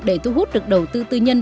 để thu hút được đầu tư tư nhân